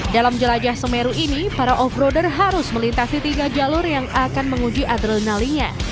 dalam jelajah semeru ini para off roader harus melintasi tiga jalur yang akan menguji adrenalinya